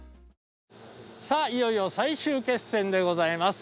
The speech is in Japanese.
さあいよいよ最終決戦でございます。